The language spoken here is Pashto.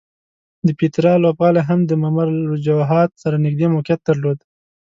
د پیترا لوبغالی هم د ممر الوجحات سره نږدې موقعیت درلود.